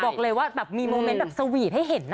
บอกเลยว่าแบบมีโมเมนต์แบบสวีทให้เห็นนะ